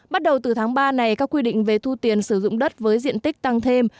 bắt đầu từ tháng ba này các quy định về thu tiền sử dụng đất với diện tích tăng thêm